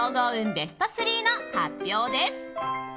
ベスト３の発表です。